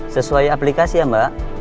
sesuai aplikasi ya mbak